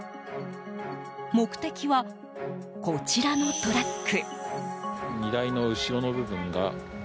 目的は、こちらのトラック。